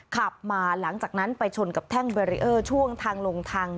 ขาบมาหลังจากนั้นไปชนกับแท่งช่วงทางหลงทาง